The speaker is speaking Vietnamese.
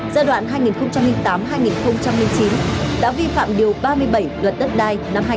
giai đoạn hai nghìn tám hai nghìn chín đã vi phạm điều ba mươi bảy luật đất đai năm hai nghìn một mươi